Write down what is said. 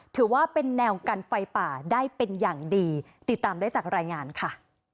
ถือว่าเป็นแนวกันไฟป่าได้เป็นอย่างดีติดตามได้จากรายงานค่ะ